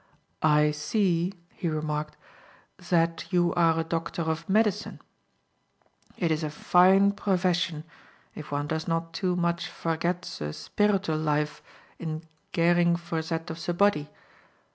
"I see," he remarked, "zat you are a doctor of medicine. It is a fine brofession, if one does not too much vorget ze spiritual life in garing for zat of ze body."